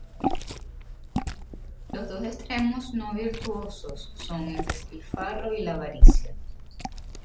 Los dos extremos no virtuosos son el despilfarro y la avaricia.